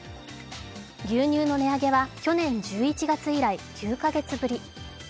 牛乳の値上げは去年１１月以来、９か月ぶり。